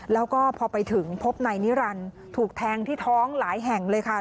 แล้วก็พอไปถึงพบนายนิรันดิ์ถูกแทงที่ท้องหลายแห่งเลยค่ะ